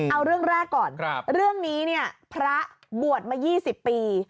เอาเรื่องแรกก่อนเรื่องนี้เนี่ยพระบวชมา๒๐ปี